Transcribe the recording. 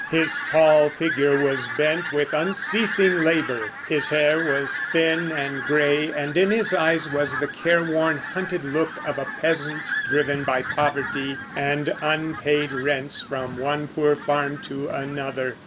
His tall figure was bent with unceasing labor; his hair was thin and gray, and in his eyes was the careworn, hunted look of a peasant driven by poverty and unpaid rents from one poor farm to another.